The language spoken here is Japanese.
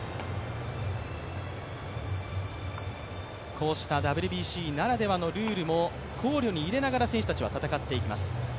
こうしたＷＢＣならではのルールも考慮に入れながら選手たちは戦っていきます。